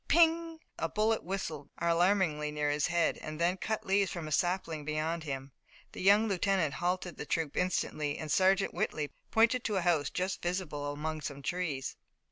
"Ping!" a bullet whistled alarmingly near his head and then cut leaves from a sapling beyond him. The young lieutenant halted the troop instantly, and Sergeant Whitley pointed to a house just visible among some trees.